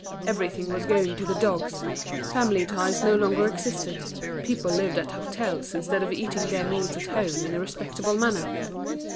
Everything was going to the dogs; family ties no longer existed, people lived at hôtels instead of eating their meals at home in a respectable manner.